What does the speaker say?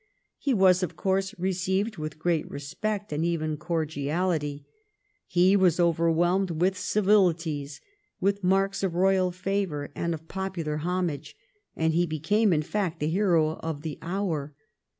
He was of course received with great respect, and even cordiahty, he was over whelmed with civilities, with marks of royal favour and of popular homage, and he became, in fact, the hero of the hour.